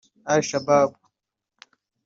Al Shabab